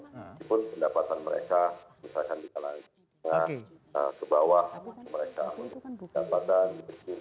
meskipun pendapatan mereka misalkan di kalangan kebawah mereka mendapatkan